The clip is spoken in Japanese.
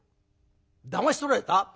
だまし取られた？